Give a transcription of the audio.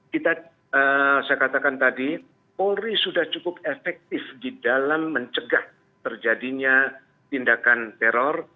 kita saya katakan tadi polri sudah cukup efektif di dalam mencegah terjadinya tindakan teror